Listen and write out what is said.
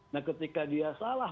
nah ketika dia salah